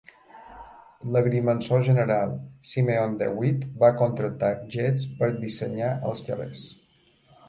L'agrimensor general, Simeon DeWitt va contractar Geddes per dissenyar els carrers.